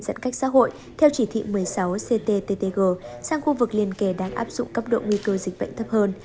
giãn cách xã hội theo chỉ thị một mươi sáu cttg sang khu vực liên kề đang áp dụng cấp độ nguy cơ dịch bệnh thấp hơn